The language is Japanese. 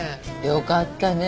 よかったね。